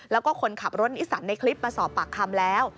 แล้วก็คนขับรถนิสันในคลิปมาสอบปากคำแล้ว